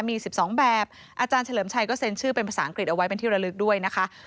มี๑๒แบบอาจารย์เฉลิมชัยก็เซ็นชื่อเป็นภาษาอังกฤษเอาไว้เป็นที่ระลึกด้วยนะคะ